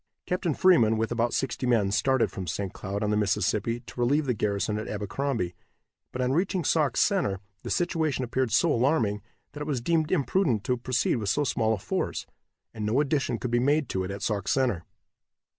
Captain Freeman, with about sixty men, started from St. Cloud, on the Mississippi, to relieve the garrison at Abercrombie, but on reaching Sauk Center the situation appeared so alarming that it was deemed imprudent to proceed with so small a force, and no addition could be made to it at Sauk Center.